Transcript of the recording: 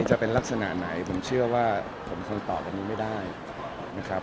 จะเป็นลักษณะไหนผมเชื่อว่าผมคงตอบอันนี้ไม่ได้นะครับ